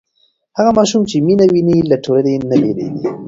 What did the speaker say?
هغه ماشوم چې مینه ویني له ټولنې نه بېلېږي.